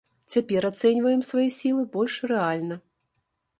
Цяпер ацэньваем свае сілы больш рэальна.